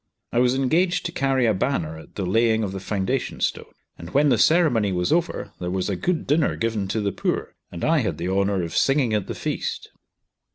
I was engaged to carry a banner at the laying of the foundation stone; and when the ceremony was over there was a good dinner given to the poor, and I had the honour of singing at the feast.